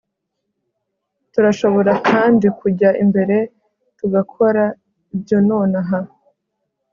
Turashobora kandi kujya imbere tugakora ibyo nonaha